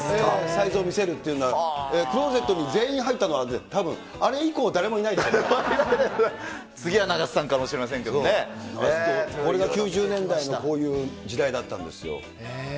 サイズを見せるっていうのが、クローゼットに全員入ったのは、次は永瀬さんかもしれないでこれが、９０年代のこういう時代だったんですよ。